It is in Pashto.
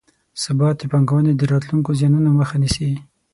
ثبات د پانګونې د راتلونکو زیانونو مخه نیسي.